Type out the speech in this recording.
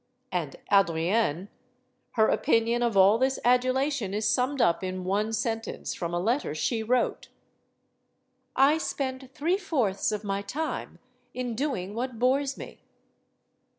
And Adrienne? Her opinion of all this adulation is summed up in one sentence from a letter she wrote: I spend three fourths of my time in doing what bores me.